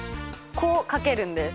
こう書けるんです。